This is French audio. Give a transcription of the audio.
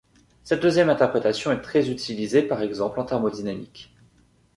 Cette deuxième interprétation est très utilisée par exemple en thermodynamique.